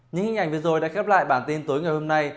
những hình ảnh video đã khép lại bản tin tối ngày hôm nay